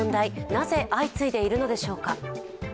なぜ相次いでいるのでしょうか？